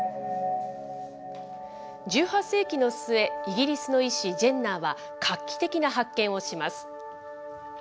１８世紀の末、イギリスの医師、ジェンナーは画期的な発見をします。